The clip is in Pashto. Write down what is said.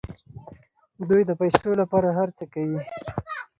دوی د پیسو لپاره هر څه کوي.